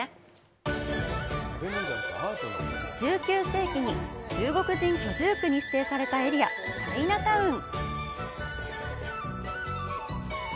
１９世紀に、中国人居住区に指定されたエリア、チャイナタウン。